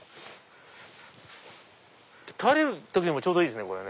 倒れる時もちょうどいいですね。